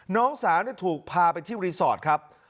น้องสาวถูกพาไปที่รีสอร์ทครับ